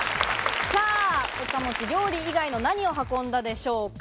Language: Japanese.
岡持ち、料理以外のなにを運んだでしょうか？